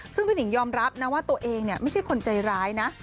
ซึ่งพี่หนิงยอมรับนะว่าตัวเองไม่ใช่คนใจร้ายนะ